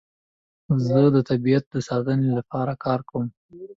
زه د طبیعت د ساتنې لپاره کار کوم.